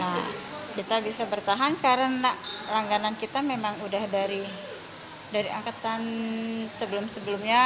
nah kita bisa bertahan karena langganan kita memang udah dari angkatan sebelum sebelumnya